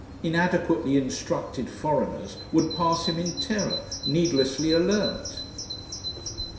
Inadequately instructed foreigners would pass him in terror, needlessly alert.